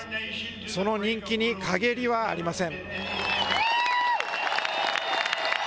その人気に陰りはありません。